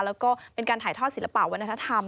แล้วก็เป็นการถ่ายทอดศิลปะวัฒนธรรม